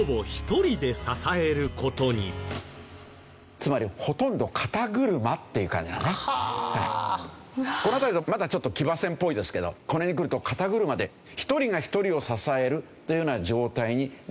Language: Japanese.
つまりこの辺りだとまだちょっと騎馬戦っぽいですけどこの辺にくると肩車で１人が１人を支えるというような状態になってくる。